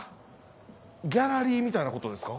ギャラリーみたいなことですか？